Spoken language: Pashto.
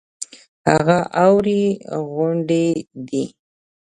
هغه اوارې غونډې دي.